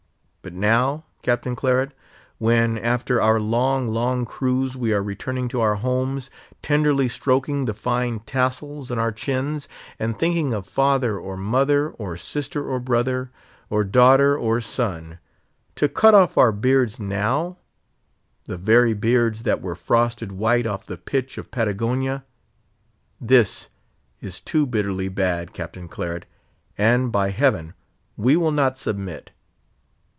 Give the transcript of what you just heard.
But now, Captain Claret! when after our long, long cruise, we are returning to our homes, tenderly stroking the fine tassels on our chins; and thinking of father or mother, or sister or brother, or daughter or son; to cut off our beards now—the very beards that were frosted white off the pitch of Patagonia—this is too bitterly bad, Captain Claret! and, by Heaven, we will not submit.